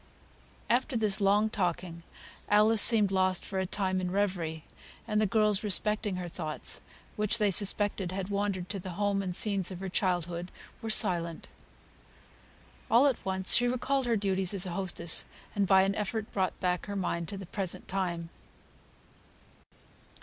After this long talking Alice seemed lost for a time in reverie; and the girls, respecting her thoughts, which they suspected had wandered to the home and scenes of her childhood, were silent. All at once she recalled her duties as hostess, and by an effort brought back her mind to the present time.